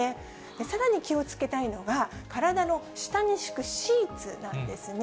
さらに気をつけたいのが体の下に敷くシーツなんですね。